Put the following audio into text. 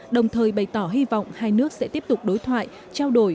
đồng thời bày tỏ hy vọng hai nước sẽ tiếp tục đối thoại trao đổi